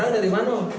barang dari mana